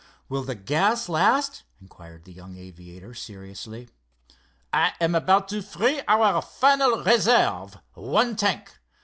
"Will the gas last?" inquired the young aviator, seriously. "I am about to free our final reserve—one tank.